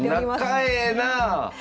仲ええなあ！